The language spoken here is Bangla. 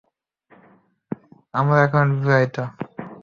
আমরা এখন বিবাহিত।